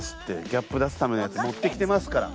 ギャップ出すためのやつ持ってきてますから。